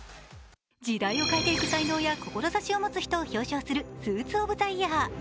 時代を変えていく才能や志を持つ人を表彰するスーツ・オブ・ザ・イヤー。